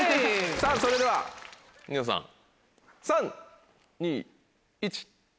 さぁそれではニノさん３・２・１。